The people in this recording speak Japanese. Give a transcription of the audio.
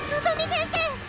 先生。